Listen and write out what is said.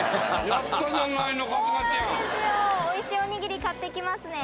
おいしいおにぎり買っていきますね